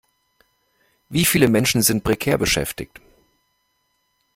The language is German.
Wie viele Menschen sind prekär beschäftigt?